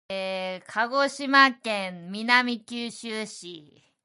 鹿児島県南九州市